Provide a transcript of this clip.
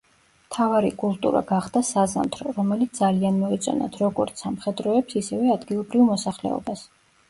მთავარი კულტურა გახდა საზამთრო, რომელიც ძალიან მოეწონათ როგორც სამხედროებს, ისევე ადგილობრივ მოსახლეობას.